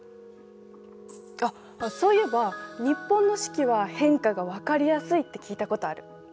あっそういえば日本の四季は変化が分かりやすいって聞いたことある。